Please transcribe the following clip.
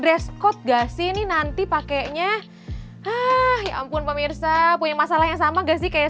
with god gas ini nanti pakainya ah ya ampun pemirsa punya masalah yang sama gak sih kayak